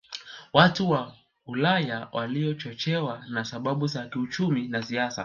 Watu wa Ulaya walichochewa na sababu za kiuchumi na siasa